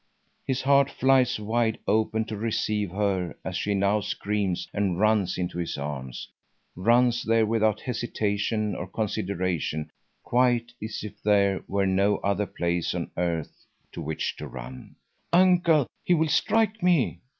His heart flies wide open to receive her as she now screams and runs into his arms, runs there without hesitation or consideration, quite as if there were no other place on earth to which to run. "Uncle, he will strike me!"